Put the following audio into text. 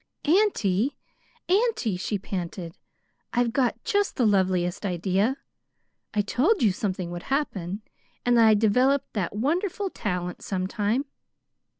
"Auntie, auntie," she panted; "I've got just the loveliest idea. I told you something would happen, and that I'd develop that wonderful talent sometime.